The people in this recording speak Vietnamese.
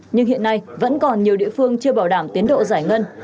nhưng hiện nay vẫn còn nhiều địa phương chưa bảo đảm tiến độ giải ngân